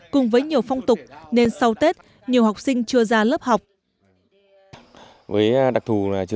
cùng với nhiều phong tục nên sau tết nhiều học sinh chưa ra lớp học